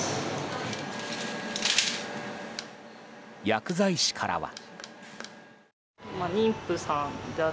薬剤師からは。